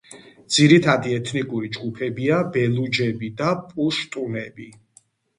ძირითადი ეთნიკური ჯგუფებია ბელუჯები და პუშტუნები.